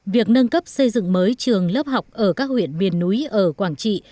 việc nâng cấp xây dựng mới trường lớp học ở các huyện miền núi ở quảng trị